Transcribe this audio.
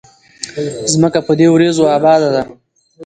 ځمکه په دې وريځو اباده ده